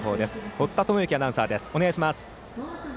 堀田智之アナウンサーです。